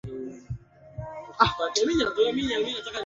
ndeketela kwa upande ya yale ambayo ulitukusanyia